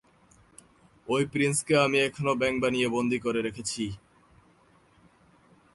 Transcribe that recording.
ঐ প্রিন্সকে আমি এখনো ব্যাঙ বানিয়ে বন্দী করে রেখেছি!